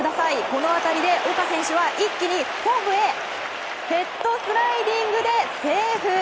この当たりで岡選手は一気にホームへヘッドスライディングでセーフ。